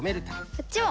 こっちも！